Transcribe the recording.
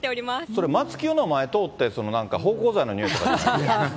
それ、マツキヨの前通って、芳香剤のにおいとかじゃない？